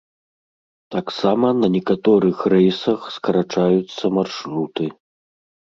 Таксама на некаторых рэйсах скарачаюцца маршруты.